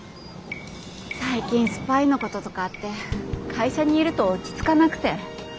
最近スパイのこととかあって会社にいると落ち着かなくて。